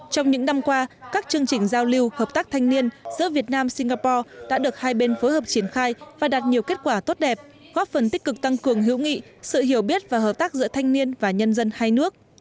trong những năm qua các chương trình giao lưu hợp tác thanh niên giữa việt nam singapore đã được hai bên phối hợp triển khai và đạt nhiều kết quả tốt đẹp góp phần tích cực tăng cường hữu nghị sự hiểu biết và hợp tác giữa thanh niên và nhân dân hai nước